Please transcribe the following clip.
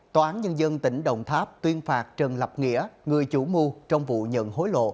tòa án nhân dân tỉnh đồng tháp tuyên phạt trần lập nghĩa người chủ mưu trong vụ nhận hối lộ